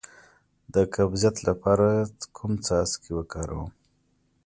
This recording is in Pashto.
د قبضیت لپاره کوم څاڅکي وکاروم؟